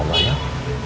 terima kasih ya pak